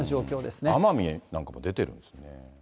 奄美なんかも出てるんですね。